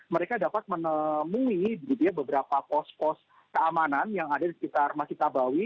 mereka dapat menemui beberapa pos pos keamanan yang ada di sekitar masjid nabawi